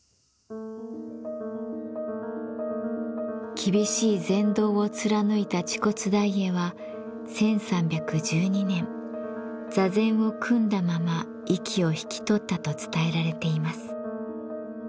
厳しい禅道を貫いた癡兀大慧は１３１２年座禅を組んだまま息を引き取ったと伝えられています。